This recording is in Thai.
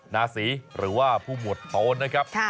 นาศรีหรือว่าผู้หมวดโทนนะครับ